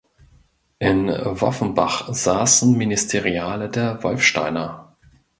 In Woffenbach saßen Ministeriale der Wolfsteiner.